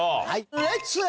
レッツ。